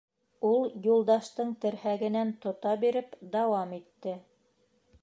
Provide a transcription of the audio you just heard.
Ул Юлдаштың терһәгенән тота биреп дауам итте: